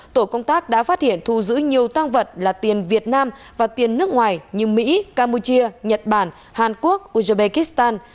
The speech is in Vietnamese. tổ công tác đã phát hiện thu giữ nhiều tăng vật là tiền việt nam và tiền nước ngoài như mỹ campuchia nhật bản hàn quốc uzbekistan